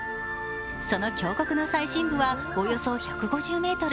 その峡谷の最深部は、およそ１５０ｍ。